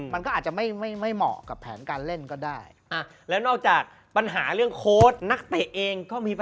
มันก็อาจจะไม่เหมาะกับแผนการเล่นก็ได้